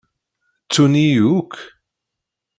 Ttun-iyi akk.